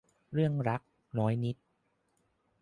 เรื่องรัก น้อยนิด